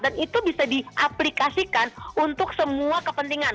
dan itu bisa diaplikasikan untuk semua kepentingan